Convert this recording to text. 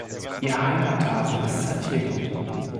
Ihr Heimathafen ist San Diego.